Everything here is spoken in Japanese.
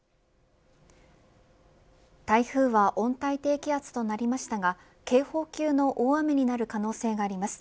台風は温帯低気圧となりましたが警報級の大雨になる可能性があります。